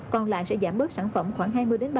còn lại sẽ giảm bớt sản phẩm khoảng hai mươi ba mươi